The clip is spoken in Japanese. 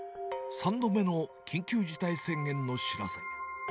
３度目の緊急事態宣言の知らせ。